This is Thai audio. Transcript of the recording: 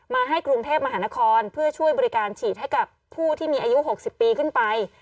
ให้กรุงเทพมหานครเพื่อช่วยบริการฉีดให้กับผู้ที่มีอายุ๖๐ปีขึ้นไป